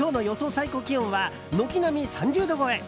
最高気温は軒並み３０度超え。